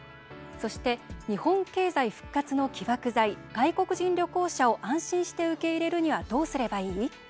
そして、日本経済復活の起爆剤外国人旅行者を安心して受け入れるにはどうすればいい？